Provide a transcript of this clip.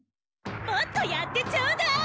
もっとやってちょうだい！